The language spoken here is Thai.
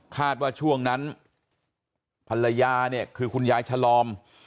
คาดว่าช่วงนั้นภรรยาคือคุณยายฉลอม